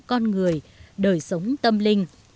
con người đời sống tâm linh